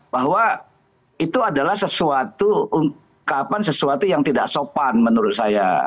bahwa itu adalah sesuatu ungkapan sesuatu yang tidak sopan menurut saya